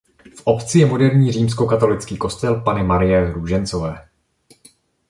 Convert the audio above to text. V obci je moderní římskokatolický kostel Panny Marie Růžencové.